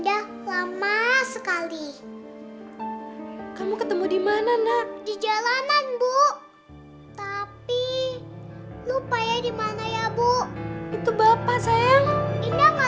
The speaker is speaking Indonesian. dari mana mereka datang